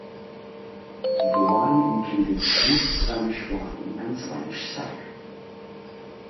The wine included sweet Spanish wine and Spanish sack.